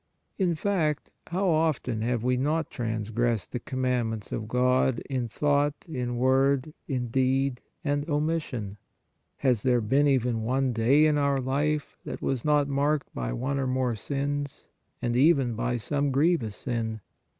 In fact, how often have we not transgressed the commandments of God in thought, in word, in deed and omission ? Has there been even one day in our life, that was not marked by one or more sins, and even by some grievous sin?